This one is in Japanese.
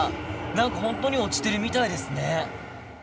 何か本当に落ちてるみたいですね。